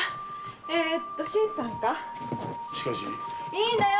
いいんだよ！